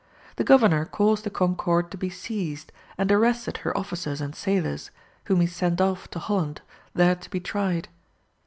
The Governor caused the Concorde to be seized, and arrested her officers and sailors, whom he sent off to Holland, there to be tried.